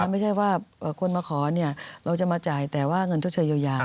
ไม่ใช่ว่าคนมาขอเราจะมาจ่ายแต่ว่าเงินชดเชยเยียวยา